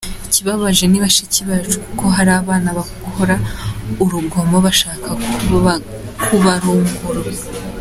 Ikibabaje nibashiki bacu, kuko hari abana bakora urugomo bashaka kubarunguruka.